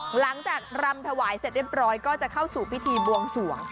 หลังจากรำถวายเสร็จเรียบร้อยก็จะเข้าสู่พิธีบวงสวง